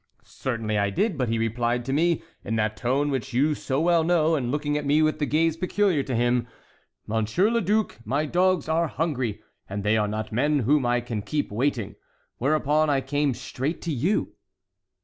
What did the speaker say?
"Certainly I did; but he replied to me, in that tone which you so well know, and looking at me with the gaze peculiar to him, 'Monsieur le Duc, my dogs are hungry; and they are not men, whom I can keep waiting.' Whereupon I came straight to you."